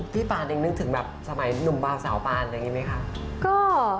พี่ปานนึกถึงสมัยหนุ่มเบาสาวปานอย่างนี้ไหมคะ